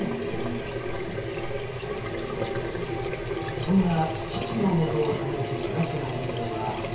そんな父のもとを離れて暮らし始めたのは１８歳のとき。